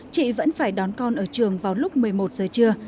chị vẫn phải đón con ở trường vào lúc một mươi một giờ trưa